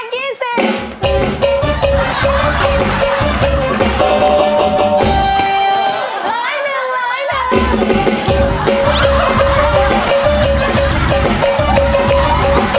อันนี้เสร็จ